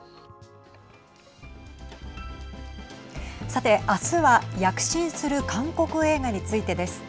さて明日は躍進する韓国映画についてです。